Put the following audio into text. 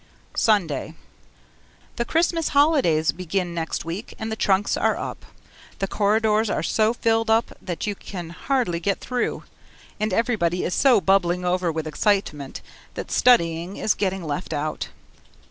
Sunday The Christmas holidays begin next week and the trunks are up. The corridors are so filled up that you can hardly get through, and everybody is so bubbling over with excitement that studying is getting left out.